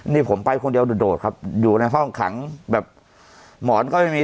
นี่ผมไปคนเดียวโดดครับอยู่ในห้องขังแบบหมอนก็ไม่มี